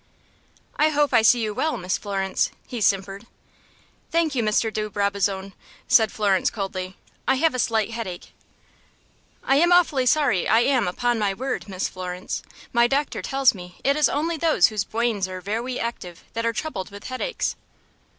"I hope I see you well, Miss Florence," he simpered. "Thank you, Mr. de Brabazon," said Florence, coldly. "I have a slight headache." "I am awfully sorry, I am, upon my word, Miss Florence. My doctor tells me it is only those whose bwains are vewy active that are troubled with headaches."